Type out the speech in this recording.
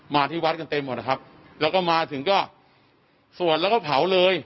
ที่วัดกันเต็มหมดนะครับแล้วก็มาถึงก็สวดแล้วก็เผาเลย